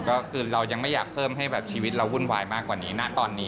ก็คือเรายังไม่อยากเพิ่มให้แบบชีวิตเราวุ่นวายมากกว่านี้ณตอนนี้